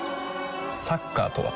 サッカーとは？